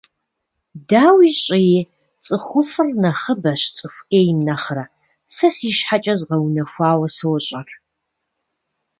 Дауи щӏыи, цӏыхуфӏыр нэхъыбэщ цӏыху ӏейм нэхъырэ, сэ си щхьэкӏэ згъэунэхуауэ сощӏэр.